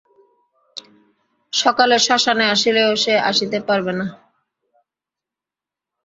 সকালে শ্মশানে আসিলেও সে আসিতে পারবে না।